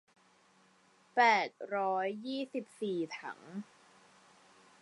แปดร้อยยี่สิบสี่ถัง